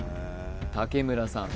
竹村さん